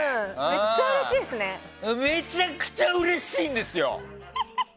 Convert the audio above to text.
めちゃくちゃうれしいんですよ！